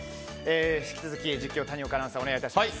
引き続き実況、谷岡アナウンサーお願いします。